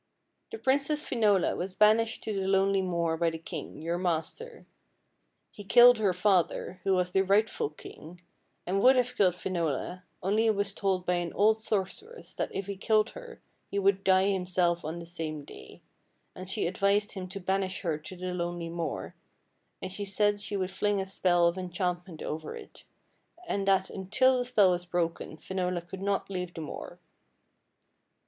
" The Princess Finola was banished to the lonely moor by the king, your master. He killed her father, who was the rightful king, and would have killed Finola, only he was told by an old sorceress that if he killed her he would die him self on the same day, and she advised him to banish her to the lonely moor, and she said she would fling a spell of enchantment over it, and that until the spell was broken Finola could not leave the moor.